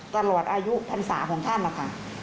ตลอดอายุพรรษาของท่านนะคะ